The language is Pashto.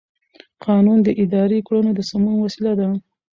قانون د اداري کړنو د سمون وسیله ده.